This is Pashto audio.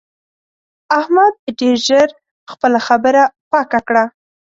احمد ډېر ژر خپله خبره پاکه کړه.